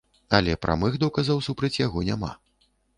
Але прамых доказаў супраць яго няма.